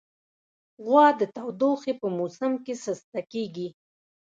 غوا د تودوخې په موسم کې سسته کېږي.